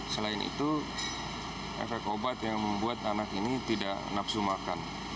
selain itu efek obat yang membuat anak ini tidak nafsu makan